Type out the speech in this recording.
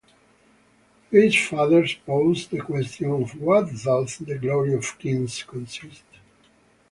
These fathers pose the question, Of what doth the Glory of Kings consist?